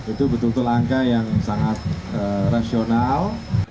itu betul betul langkah yang sangat rasional